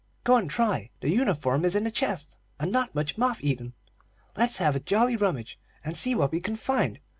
"Go and try; the uniform is in the chest, and not much moth eaten. Let's have a jolly rummage, and see what we can find.